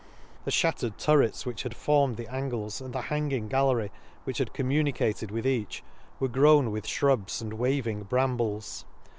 — The fhattered turrets which had formed the angles, and the hanging gallery which had communicated with each, were grown with ihrubs and waving bram 48 An Excursion to brambles.